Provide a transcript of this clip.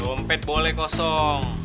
dompet boleh kosong